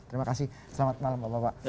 terima kasih selamat malam bapak bapak